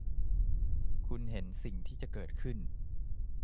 คุณเห็นสิ่งที่จะเกิดขึ้น